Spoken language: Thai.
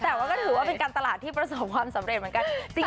แต่ว่าก็ถือว่าเป็นการตลาดที่ประสบความสำเร็จเหมือนกัน